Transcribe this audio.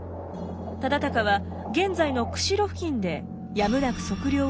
忠敬は現在の釧路付近でやむなく測量を断念します。